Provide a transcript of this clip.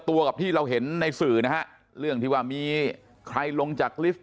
กับที่เราเห็นในสื่อนะฮะเรื่องที่ว่ามีใครลงจากลิฟต์